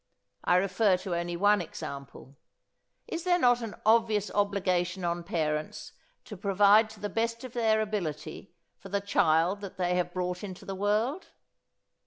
I refer to only one example: Is there not an obvious obligation on parents to provide to the best of their ability for the child that they have brought into the world?